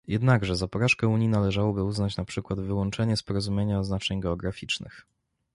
Jednakże za porażkę Unii należałoby uznać na przykład wyłączenie z porozumienia oznaczeń geograficznych